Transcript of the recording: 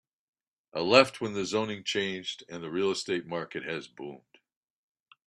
I left when the zoning changed and the real estate market has boomed.